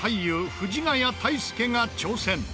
藤ヶ谷太輔が挑戦！